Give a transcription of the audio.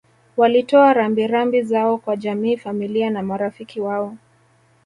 walitoa rambi rambi zao kwa jamii familia na marafiki wao